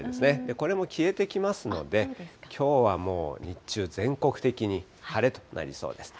これも消えてきますので、きょうはもう日中、全国的に晴れとなりそうです。